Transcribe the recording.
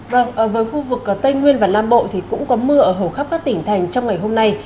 vâng với khu vực tây nguyên và nam bộ thì cũng có mưa ở hầu khắp các tỉnh thành trong ngày hôm nay